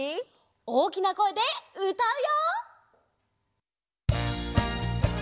おおきなこえでうたうよ！